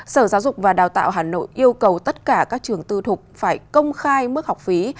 sở giáo dục và đào tạo hà nội yêu cầu tất cả các trường tư thục phải công khai mức học phí